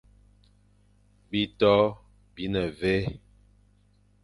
Bitô bi ne mvè,